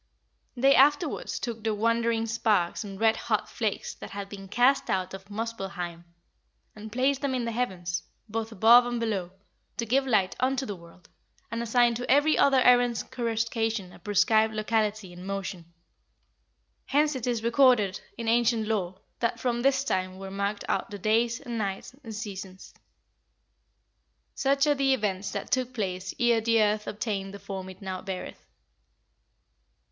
They afterwards took the wandering sparks and red hot flakes that had been cast out of Muspellheim, and placed them in the heavens, both above and below, to give light unto the world, and assigned to every other errant coruscation a prescribed locality and motion. Hence it is recorded in ancient lore that from this time were marked out the days, and nights, and seasons." "Such are the events that took place ere the earth obtained the form it now beareth."